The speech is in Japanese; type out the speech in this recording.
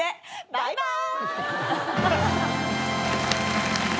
バイバーイ。